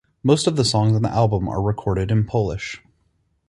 Most of the songs on the album are recorded in Polish.